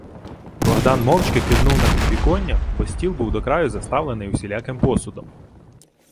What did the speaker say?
Богдан мовчки кивнув на підвіконня, бо стіл був до краю заставлений усіляким посудом.